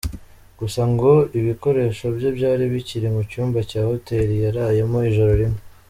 Gusa ngo ibikoresho bye byari bikiri mu cyumba cya hotel yarayemo ijoro rimwe.